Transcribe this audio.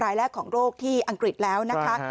รายแรกของโรคที่อังกฤษแล้วนะคะ